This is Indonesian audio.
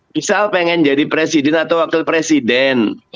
misal pengen jadi presiden atau wakil presiden